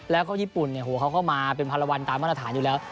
แล้วก็ญี่ปุ่นเขาก็มาเป็นพันละวันตามมาตรฐานอยู่แล้ว